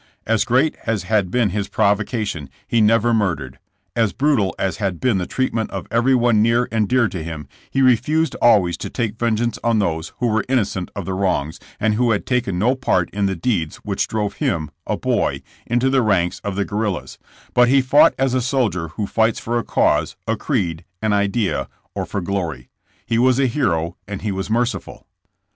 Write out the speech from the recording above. As great as had been his provocation, he never mur dered; as brutal as had been the treatment of every one near and dear to him, he refused always to take vengeance on those who were innocent of the wrongs, and who had taken no part in the deeds which drove him, a boy, into the ranks of the guerrillas, but he fought as a soldier who fights for a cause, a creed, an idea, or for glory. He was a hero and he was merciful.